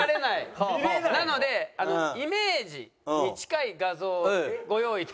なのでイメージに近い画像をご用意いたしました。